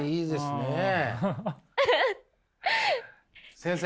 先生。